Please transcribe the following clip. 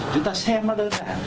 chúng ta xem nó đơn giản